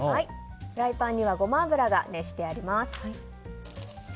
フライパンにはゴマ油が熱してあります。